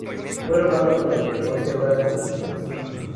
Fue rodado durante doce horas continuas.